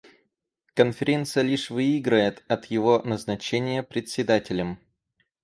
Конференция лишь выиграет от его назначения Председателем.